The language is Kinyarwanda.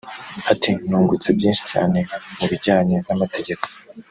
Ati “Nungutse byinshi cyane mu bijyanye n’amategeko